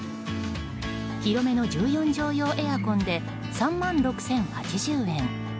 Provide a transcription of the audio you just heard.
広めの１４畳用エアコンで３万６０８０円。